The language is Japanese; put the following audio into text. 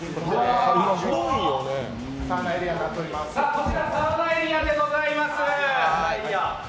こちら、サウナエリアでございます